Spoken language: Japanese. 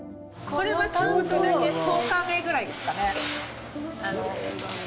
これはちょうど１０日目ぐらいですかね。